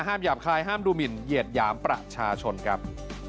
หยาบคายห้ามดูหมินเหยียดหยามประชาชนครับ